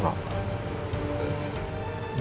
dan dia sedang mengandung no